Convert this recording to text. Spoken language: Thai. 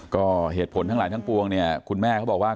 ก็เหตุผลทั้งหลายทั้งปวงเนี่ยคุณแม่เขาบอกว่า